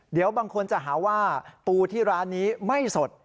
เดี๋ยวบางคนจะหาว่าปูที่ร้านนี้ไม่สด